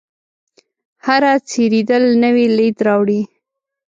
هره څیرېدل نوی لید راوړي.